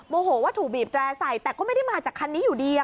โหว่าถูกบีบแตร่ใส่แต่ก็ไม่ได้มาจากคันนี้อยู่ดี